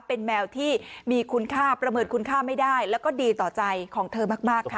เป็นแมวที่มีคุณค่าประเมินคุณค่าไม่ได้แล้วก็ดีต่อใจของเธอมากค่ะ